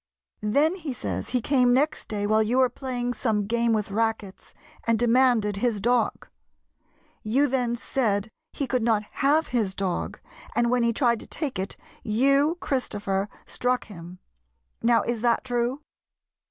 Then, he says, he came next day while you were playing some game with rackets, and demanded his dog. You then said he could not have his dog, and, when he tried to take it, you, Christopher, struck him. Now, is that true